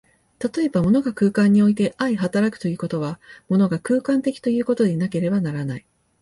例えば、物が空間において相働くということは、物が空間的ということでなければならない。